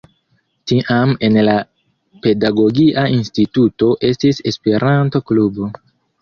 Tiam en la Pedagogia Instituto estis Esperanto-klubo.